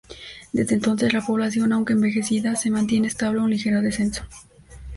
Desde entonces, la población, aunque envejecida, se mantiene estable o en ligero descenso.